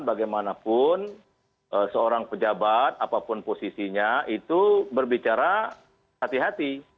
bagaimanapun seorang pejabat apapun posisinya itu berbicara hati hati